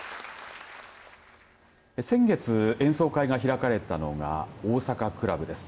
先月、演奏会が開かれたのが大阪倶楽部です。